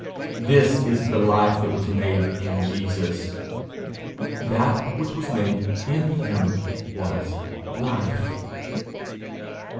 This is the life that was made in Jesus: 'That which was made in him was life.'